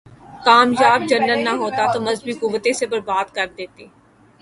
کامیاب جرنیل نہ ہوتا تو مذہبی قوتیں اسے برباد کر دیتیں۔